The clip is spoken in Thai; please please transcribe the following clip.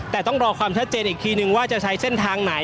แต่ต้องรอความชัดเจนอีกทีนึงว่าจะใช้เส้นทางไหน